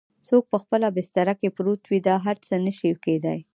څوک په خپله بستره کې پروت وي دا هر څه نه شي کیدای؟